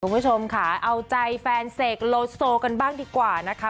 คุณผู้ชมค่ะเอาใจแฟนเสกโลโซกันบ้างดีกว่านะคะ